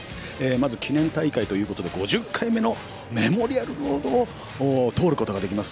まず記念大会ということでメモリアルロードを通ることができます。